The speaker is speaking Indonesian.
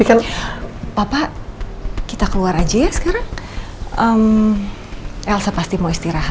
kenapa mereka selalu ngebelain lo sih